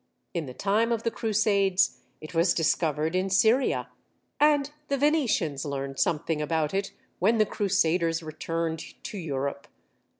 In the time of the Crusades it was discovered in Syria, and the Venetians learned something about it when the Crusaders returned to Europe.